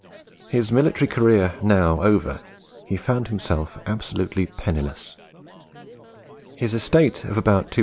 His military career now over, he found himself absolutely penniless. His estate of about 200L.